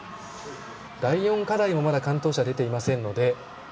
第４課題も、まだ完登者出ていませんので。